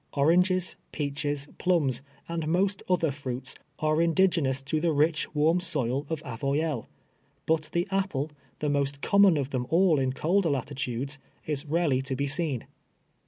Oranges, peaches, plums, and most other fruits are indigenous to the ricli, warm soil of Avoyelles ; but the apple, the most common of them all in colder latitudes, is rare ly to be seen.